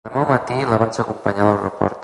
L'endemà al matí la vaig acompanyar a l'aeroport.